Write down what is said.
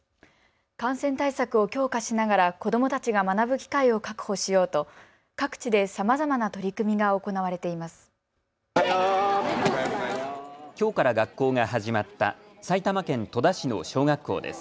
感染対策を強化しながら子どもたちが学ぶ機会を確保しようと各地でさまざまな取り組みが行われています。